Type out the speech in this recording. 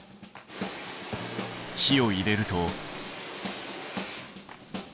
火を入れると。